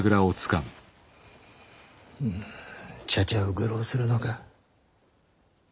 茶々を愚弄するのか。